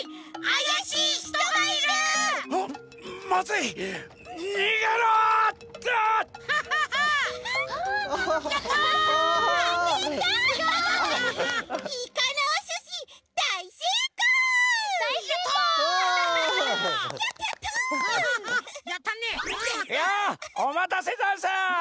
やあおまたせざんす！